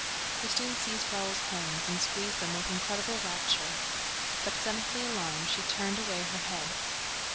Christine seized Raoul's hands and squeezed them with incredible rapture. But, suddenly becoming alarmed again, she turned away her head.